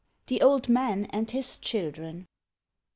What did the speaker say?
THE OLD MAN AND HIS CHILDREN.